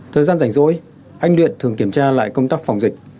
thời gian rảnh rỗi anh luyện thường kiểm tra lại công tác phòng dịch